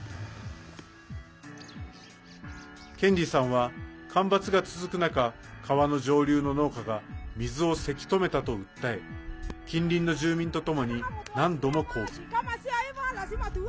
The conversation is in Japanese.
ケンディさんは、干ばつが続く中川の上流の農家が水をせき止めたと訴え近隣の住民とともに何度も抗議。